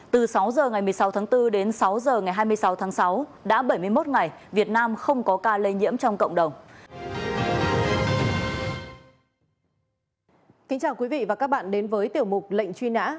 từ sáu h ngày một mươi sáu tháng bốn đến sáu h ngày hai mươi sáu tháng sáu đã bảy mươi một ngày việt nam không có ca lây nhiễm trong cộng đồng